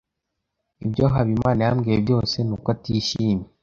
Ibyo Habimana yambwiye byose ni uko atishimye.